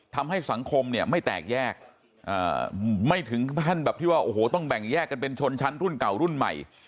ทำให้สังคมเนี่ยไม่แตกแยกไม่ถึงขั้นแบบที่ว่าโอ้โหต้องแบ่งแยกกันเป็นชนชั้นรุ่นเก่ารุ่นใหม่